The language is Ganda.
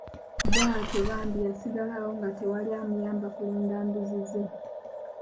Bwatyo bambi yasigala awo nga tewali amuyamba kulunda mbuzi ze.